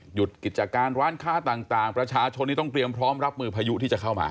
หยุดกิจการร้านค้าต่างประชาชนที่ต้องเตรียมพร้อมรับมือพายุที่จะเข้ามา